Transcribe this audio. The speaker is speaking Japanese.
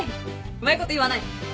うまいこと言わない。